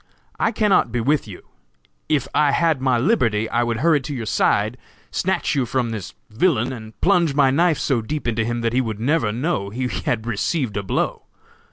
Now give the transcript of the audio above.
I cannot be with you. If I had my liberty I would hurry to your side, snatch you from this villain, and plunge my knife so deep into him that he would never know he had received a blow!!!